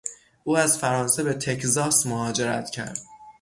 او از فرانسه به تکزاس مهاجرت کرد.